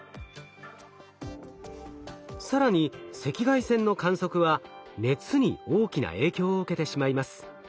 更に赤外線の観測は熱に大きな影響を受けてしまいます。